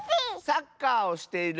サッカーをしている。